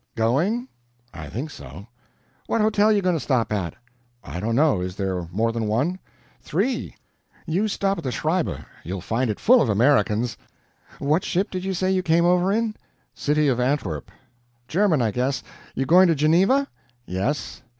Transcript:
"Going?" "I think so." "What hotel you going to stop at?" "I don't know. Is there more than one?" "Three. You stop at the Schreiber you'll find it full of Americans. What ship did you say you came over in?" "CITY OF ANTWERP." "German, I guess. You going to Geneva?" "Yes."